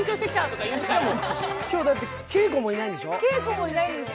今日だって、敬子もいないんでしょ？